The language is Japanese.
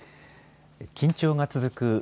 緊張が続く